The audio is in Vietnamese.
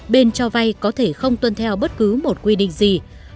bên cho vay có thể không tuân theo bất cứ một quy định gì